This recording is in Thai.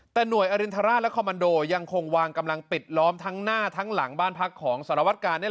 แต่หน่วยอรินทราชและคอมมันโดยังคงวางกำลังปิดล้อมทั้งหน้าทั้งหลังบ้านพักของสารวัตกาล